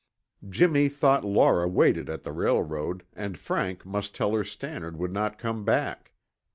Jimmy thought Laura waited at the railroad and Frank must tell her Stannard would not come back.